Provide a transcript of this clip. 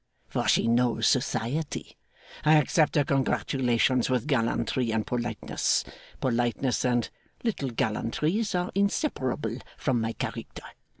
For she knows Society. I accept her congratulations with gallantry and politeness. Politeness and little gallantries are inseparable from my character.